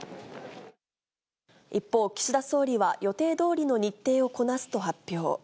一方、岸田総理は予定どおりの日程をこなすと発表。